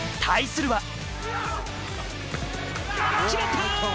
対するは。